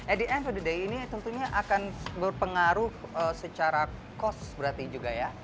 at the end of the day ini tentunya akan berpengaruh secara cost berarti juga ya